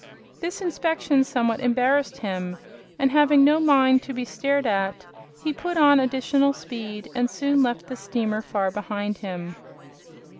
This inspection somewhat embarrassed him, and having no mind to be stared at he put on additional speed and soon left the steamer far behind him.